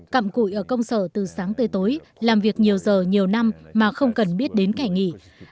cặm cụi ở công sở từ sáng tới tối làm việc nhiều giờ nhiều năm mà không cần biết đến kẻ nghỉ